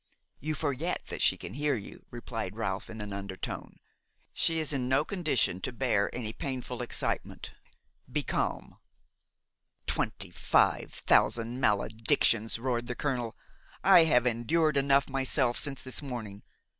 "You forget that she can hear you," replied Ralph in an undertone. "She is in no condition to bear any painful excitement. Be calm." "Twenty five thousand maledictions!" roared the colonel. "I have endured enough myself since this morning.